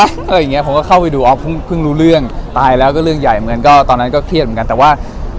อะไรอย่างเงี้ผมก็เข้าไปดูอ๋อเพิ่งรู้เรื่องตายแล้วก็เรื่องใหญ่เหมือนก็ตอนนั้นก็เครียดเหมือนกันแต่ว่า